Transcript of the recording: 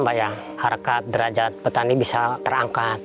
bayang harga derajat petani bisa terangkat